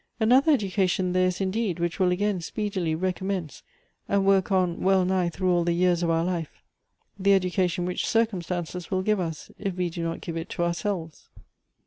Another education there is indeed which will again speedily recommence, and work'on well nigh through all the years of our life — the education which circumstances will give us, if we do not give it to ourselves."